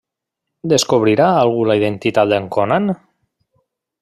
Descobrirà algú la identitat d'en Conan?